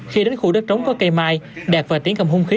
khi đến khu đất trống có cây mai đạt và tiến cầm hung khí